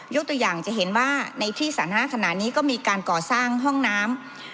ตัวอย่างจะเห็นว่าในที่สาธารณะขณะนี้ก็มีการก่อสร้างห้องน้ำ